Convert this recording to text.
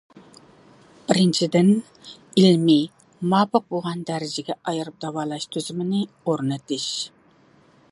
بىرىنچىدىن، ئىلمىي، مۇۋاپىق بولغان دەرىجىگە ئايرىپ داۋالاش تۈزۈمىنى ئورنىتىش.